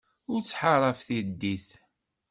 Ur ttḥaṛaf tiddit.